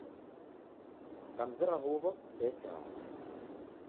Kamzera huwo ndechaa